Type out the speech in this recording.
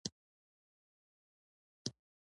د هریو کور پربام رازیږې